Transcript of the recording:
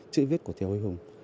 chữ viết của thiều huy hùng